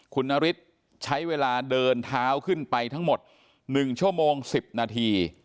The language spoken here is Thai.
คุณนฤทธิ์ใช้เวลาเดินเท้าขึ้นไปทั้งหมด๑ชั่วโมง๑๐นาที